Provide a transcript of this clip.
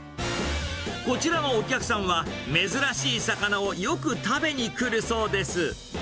こちらのお客さんは、珍しい魚をよく食べに来るそうです。